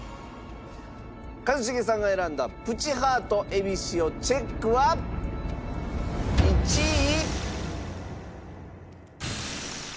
一茂さんが選んだプチハートえびしおチェックは１位。